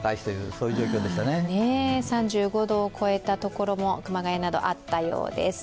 ３５度を超えた所も熊谷などあったようです。